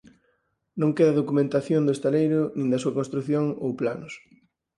Non queda documentación do estaleiro nin da súa construción ou planos.